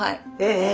え！